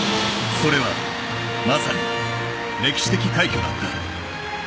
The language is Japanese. それはまさに歴史的快挙だった。